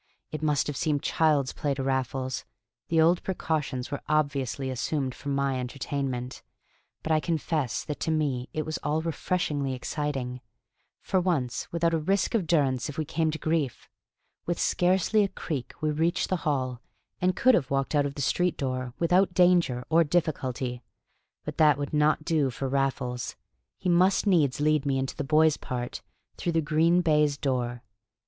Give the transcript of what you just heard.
It must have seemed child's play to Raffles; the old precautions were obviously assumed for my entertainment; but I confess that to me it was all refreshingly exciting for once without a risk of durance if we came to grief! With scarcely a creak we reached the hall, and could have walked out of the street door without danger or difficulty. But that would not do for Raffles. He must needs lead me into the boys' part, through the green baize door.